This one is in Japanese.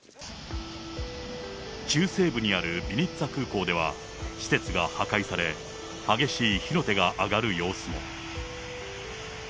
中西部にあるビニツァ空港では施設が破壊され、激しい火の手が上がる様子も。